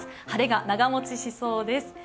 晴れが長もちしそうです。